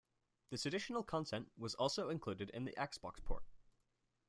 This additional content was also included in the Xbox port.